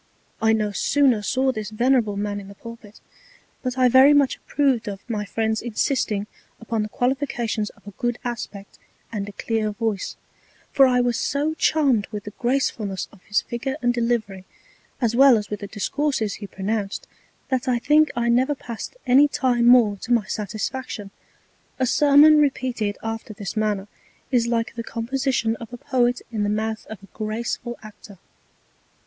I no sooner saw this venerable Man in the Pulpit, but I very much approved of my Friend's insisting upon the Qualifications of a good Aspect and a clear Voice; for I was so charmed with the Gracefulness of his Figure and Delivery, as well as with the Discourses he pronounced, that I think I never passed any Time more to my Satisfaction. A Sermon repeated after this Manner, is like the Composition of a Poet in the Mouth of a graceful Actor.